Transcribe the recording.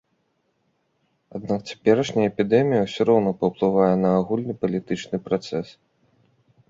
Аднак цяперашняя эпідэмія ўсё роўна паўплывае на агульны палітычны працэс.